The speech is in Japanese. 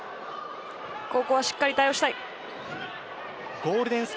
ここはしっかり対応したいです。